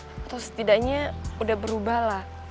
atau setidaknya udah berubah lah